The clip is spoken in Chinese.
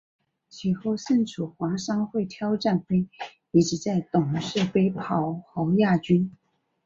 其后胜出华商会挑战杯以及在董事杯跑获亚军。